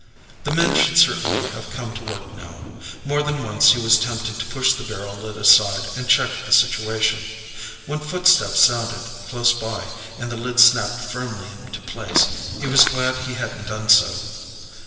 The men should certainly have come to work now. More than once he was tempted to push the barrel lid aside and check the situation. When footsteps sounded, close by, and the lid snapped firmly into place, he was glad he hadn't done so.